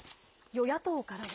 与野党からは。